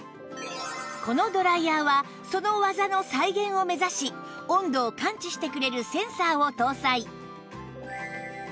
このドライヤーはその技の再現を目指し温度を感知してくれるセンサーを搭載